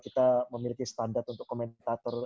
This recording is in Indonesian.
kita memiliki standar untuk komentator